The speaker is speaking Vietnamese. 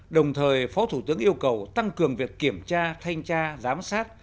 đồng thời phó thủ tướng yêu cầu tăng cường việc kiểm tra thanh tra giám sát